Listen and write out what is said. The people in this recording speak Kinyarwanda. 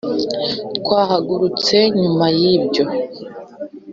twahagurutse nyuma yibyo.